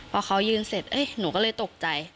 พอเขายืนเสร็จหนูก็เลยตกใจ